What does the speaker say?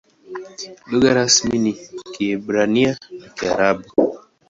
Lugha rasmi ni Kiebrania na Kiarabu.